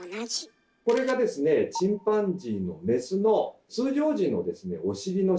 これがですねチンパンジーのメスの通常時のお尻の写真なんですね。